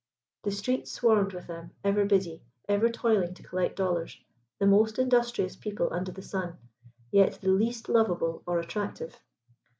The streets swarmed with them, ever busy, ever toiling to collect dollars, the most industrious people under the sun yet the least lovable or attractive.